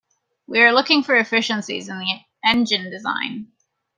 We are looking for efficiencies in the engine design.